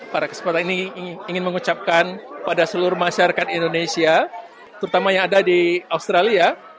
pada kesempatan ini ingin mengucapkan pada seluruh masyarakat indonesia terutama yang ada di australia